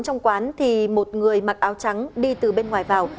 trong quán thì một người mặc áo trắng đi từ bên ngoài vào